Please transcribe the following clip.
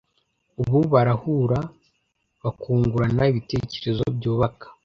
ubu barahura bakungurana ibitekerezo byubaka